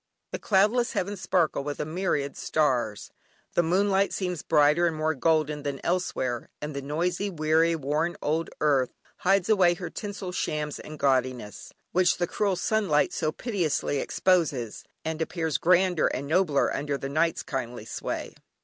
The cloudless heavens sparkle with a myriad stars, the moonlight seems brighter and more golden than elsewhere, and the noisy, weary, worn old earth hides away her tinsel shams and gaudiness, which the cruel sunlight so pitilessly exposes, and appears grander and nobler under night's kindly sway.